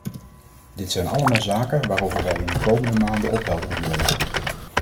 Dit zijn allemaal zaken waarover wij in de komende maanden opheldering willen.